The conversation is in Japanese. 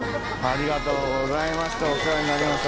ありがとうございます。